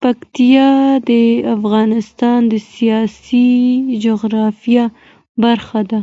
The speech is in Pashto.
پکتیا د افغانستان د سیاسي جغرافیه برخه ده.